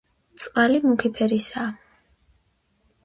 წყალი მუქი ფერისაა.